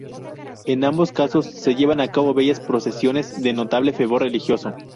En ambos casos se llevan a cabo bellas procesiones de notable fervor religioso.